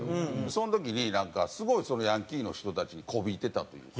その時になんかすごいそのヤンキーの人たちに媚びてたというか。